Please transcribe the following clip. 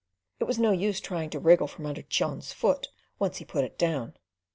It was no use trying to wriggle from under Cheon's foot once he put it down.